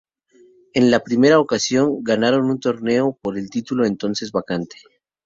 En la primera ocasión ganaron un torneo por el título entonces vacante.